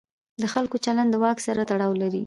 د خلکو چلند له واک سره تړاو لري.